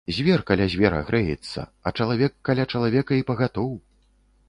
Звер каля звера грэецца, а чалавек каля чалавека й пагатоў.